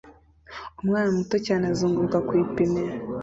Umwana muto cyane azunguruka ku ipine